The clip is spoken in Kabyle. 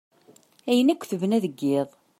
Ayen akk tebna deg yiḍ.